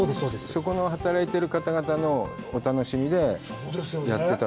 そこの働いてる方々のお楽しみでやってた。